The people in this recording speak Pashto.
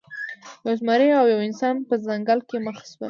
یو زمری او یو انسان په ځنګل کې مخ شول.